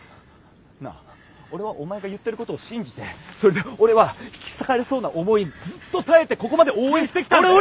なあ俺はお前が言ってることを信じてそれで俺は引き裂かれそうな思いずっと耐えてここまで応援してきたんだよ。